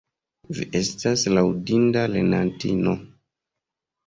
Vi estas laŭdinda lernantino!